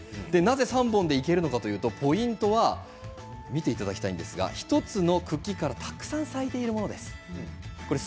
３本でいけるのかといいますとポイントは見ていただきたいんですけれど１つの茎から、たくさん咲いているものがあります。